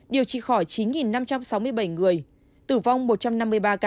điều trị khỏi chín năm trăm sáu mươi bảy người tử vong một trăm năm mươi ba ca